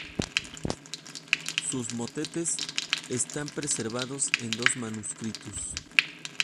Sus motetes están preservados en dos manuscritos.